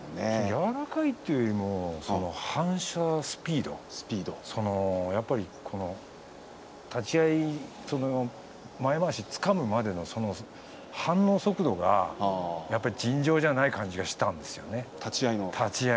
柔らかいというよりも反射スピード立ち合い、前まわしをつかむまでの反応速度がやっぱり尋常じゃない感じがしたんですね、立ち合いの。